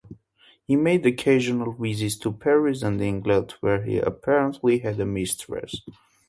He made occasional visits to Paris and England, where he apparently had a mistress.